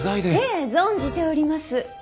ええ存じております。